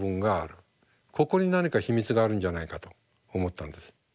ここに何か秘密があるんじゃないかと思ったんです。